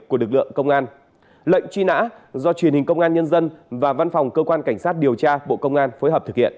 cảm ơn các bạn đã theo dõi